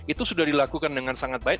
itu sudah dilakukan dengan sangat baik